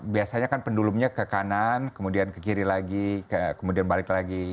biasanya kan pendulumnya ke kanan kemudian ke kiri lagi kemudian balik lagi